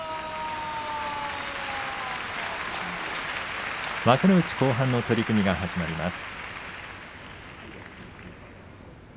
拍手幕内後半の取組が始まります。